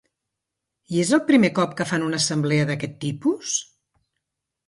I és el primer cop que fan una assemblea d'aquest tipus?